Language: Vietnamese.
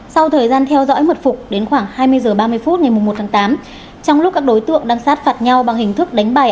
sau thời gian theo dõi mật phục đến khoảng hai mươi h ba mươi phút ngày một tháng tám trong lúc các đối tượng đang sát phạt nhau bằng hình thức đánh bài